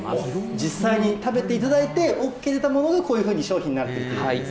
実際に食べていただいて、ＯＫ出たものがこういうふうに商品になっているということです。